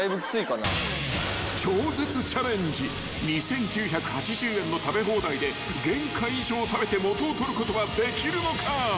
［超絶チャレンジ２，９８０円の食べ放題で原価以上食べて元を取ることはできるのか］